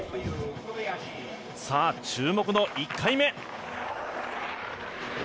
さあ、注目の１回目。